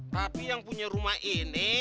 tapi yang punya rumah ini